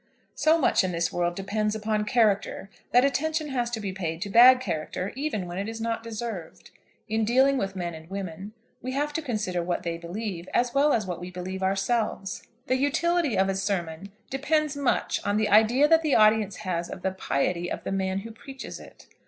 So much in this world depends upon character that attention has to be paid to bad character even when it is not deserved. In dealing with men and women, we have to consider what they believe, as well as what we believe ourselves. The utility of a sermon depends much on the idea that the audience has of the piety of the man who preaches it.